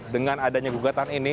dengan adanya gugatan ini